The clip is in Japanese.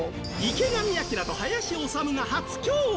池上彰と林修が初共演！